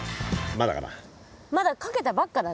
まだかけたばっかだね。